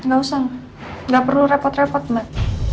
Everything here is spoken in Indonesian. gak usah gak perlu repot repot mbak